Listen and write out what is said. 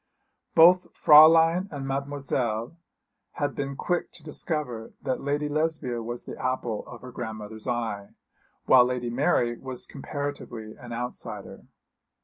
Both Fräulein and Mademoiselle had been quick to discover that Lady Lesbia was the apple of her grandmother's eye, while Lady Mary was comparatively an outsider.